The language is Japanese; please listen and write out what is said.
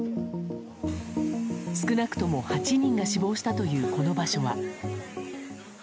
少なくとも８人が死亡したというこの場所は。